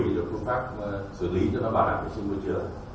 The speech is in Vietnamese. nếu có thì có phương pháp xử lý cho nó bảo đảm vệ sinh môi trường